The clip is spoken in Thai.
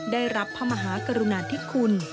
ได้รับพระมหากรุณาธิคุณ